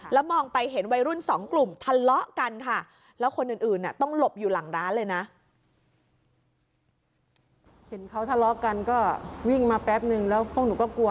แล้วมองไปเห็นวัยรุ่นสองกลุ่มทะเลาะกันค่ะแล้วคนอื่นต้องหลบอยู่หลังร้านเลยนะ